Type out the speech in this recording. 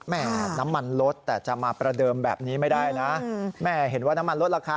น้ำมันลดแต่จะมาประเดิมแบบนี้ไม่ได้นะแม่เห็นว่าน้ำมันลดราคา